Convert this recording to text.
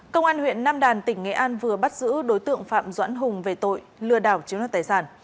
công an huyện nam đàn tỉnh nghệ an vừa bắt giữ đối tượng phạm doãn hùng về tội lừa đảo chiếm đoạt tài sản